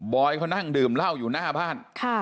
อยเขานั่งดื่มเหล้าอยู่หน้าบ้าน